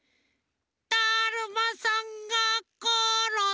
だるまさんがころんだ！